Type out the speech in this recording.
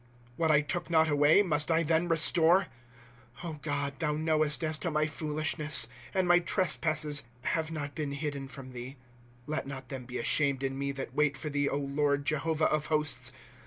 What I took not away, must I then restore, 5 O God, thou knowesfc as to my foolishness. And my trespasses have not been hidden from thee. ^ Let not them be ashamed in me, that wait for thee, Lord, Jehovah of hosts.